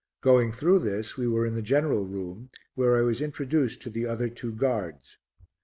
Going through this, we were in the general room where I was introduced to the other two guards.